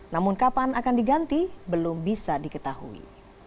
namun kapan akan diganti belum bisa diketahui